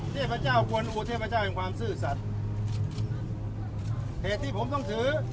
เทพเจ้าควรอูเทพเจ้าแห่งความซื่อสัตว์เหตุที่ผมต้องถือ